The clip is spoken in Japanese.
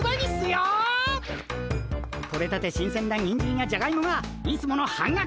取れたて新鮮なにんじんやじゃがいもがいつもの半額！